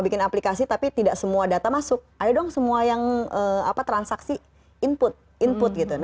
bikin aplikasi tapi tidak semua data masuk ada dong semua yang apa transaksi input input gitu